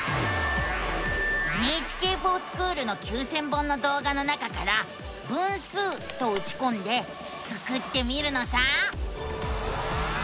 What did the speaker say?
「ＮＨＫｆｏｒＳｃｈｏｏｌ」の９，０００本の動画の中から「分数」とうちこんでスクってみるのさ！